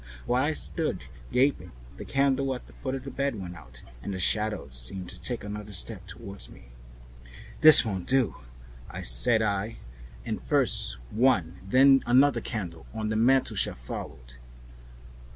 While I stood gaping the candle at the foot of the bed went out, and the shadows seemed to take another step toward me. "This won't do!" said I, and first one and then another candle on the mantelshelf followed.